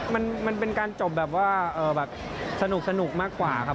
มันเป็นการจบแบบว่าแบบสนุกมากกว่าครับ